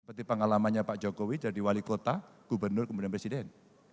seperti pengalamannya pak jokowi jadi wali kota gubernur kemudian presiden